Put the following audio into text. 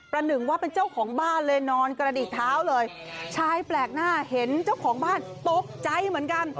หนึ่งว่าเป็นเจ้าของบ้านเลยนอนกระดิกเท้าเลยชายแปลกหน้าเห็นเจ้าของบ้านตกใจเหมือนกัน